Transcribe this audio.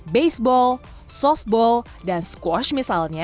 baseball softball dan squash misalnya